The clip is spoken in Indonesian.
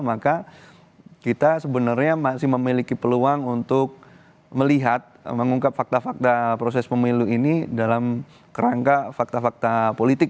maka kita sebenarnya masih memiliki peluang untuk melihat mengungkap fakta fakta proses pemilu ini dalam kerangka fakta fakta politik